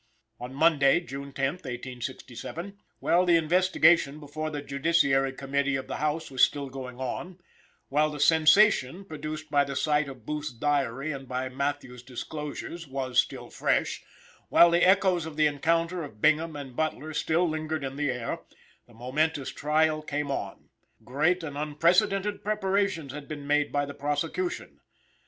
On Monday, June 10, 1867, while the investigation before the Judiciary Committee of the House was still going on, while the sensation produced by the sight of Booth's diary and by Matthews' disclosures was still fresh, while the echoes of the encounter of Bingham and Butler still lingered in the air, the momentous trial came on. Great and unprecedented preparations had been made by the prosecution.